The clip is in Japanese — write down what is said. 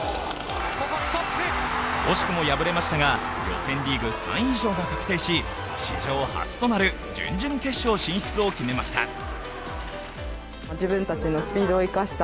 惜しくも敗れましたが予選リーグ３位以上が確定し史上初となる準々決勝進出を決めました。